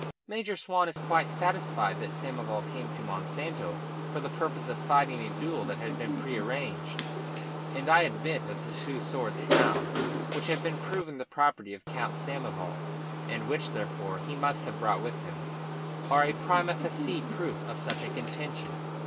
"Major Swan is quite satisfied that Samoval came to Monsanto for the purpose of fighting a duel that had been prearranged; and I admit that the two swords found, which have been proven the property of Count Samoval, and which, therefore, he must have brought with him, are a prima facie proof of such a contention.